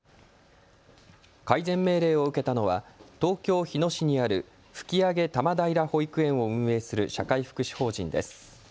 改善命令を受けたのは東京日野市にある吹上多摩平保育園を運営する社会福祉法人です。